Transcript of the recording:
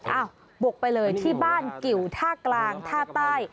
อ้าวบกไปเลยที่บ้านเกี่ยวท่ากลางท่าใต้